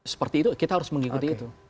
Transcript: seperti itu kita harus mengikuti itu